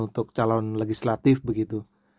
untuk calon legislatif begitu